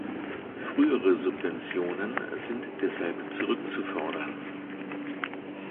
Frühere Subventionen sind deshalb zurückzufordern.